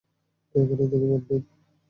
দয়া করে এদিকে মন দিন।